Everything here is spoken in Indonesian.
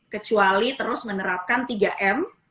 kecuali terus menerapkan tiga m